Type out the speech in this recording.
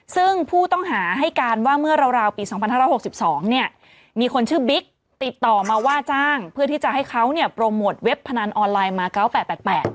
ซึ่งผู้ต้องหาให้การว่าเมื่อราวปี๒๕๖๒เนี่ยมีคนชื่อบิ๊กติดต่อมาว่าจ้างเพื่อที่จะให้เขาเนี่ยโปรโมทเว็บพนันออนไลน์มาเกาะ๘๘๘